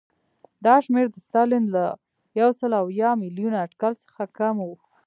دا شمېر د ستالین له یو سل اویا میلیونه اټکل څخه کم و